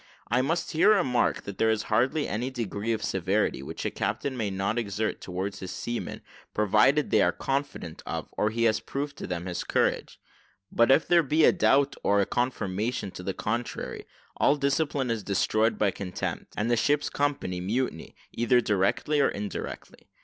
I must here remark, that there is hardly any degree of severity, which a captain may not exert towards his seamen provided they are confident of, or he has proved to them his courage: but if there be a doubt, or a confirmation to the contrary, all discipline is destroyed by contempt, and the ship's company mutiny, either directly or indirectly.